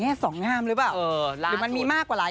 แต่เอามันไปฟังก่อนก็นิกว่า